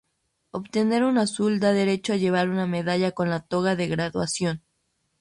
Obtener un Azul da derecho a llevar una medalla con la toga de graduación.